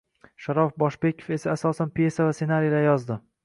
Sharof Boshbekov esa asosan pyesa va ssenariylar yozdi